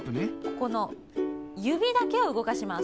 ここのゆびだけをうごかします。